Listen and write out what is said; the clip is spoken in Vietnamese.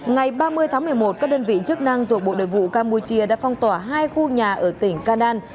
ngày ba mươi tháng một mươi một các đơn vị chức năng thuộc bộ đội vụ campuchia đã phong tỏa hai khu nhà ở tỉnh canan